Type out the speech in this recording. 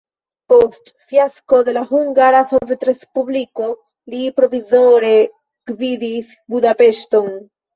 Post fiasko de la Hungara Sovetrespubliko li provizore gvidis Budapeŝton.